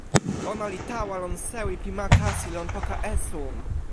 ona li tawa lon sewi pi ma kasi lon poka esun.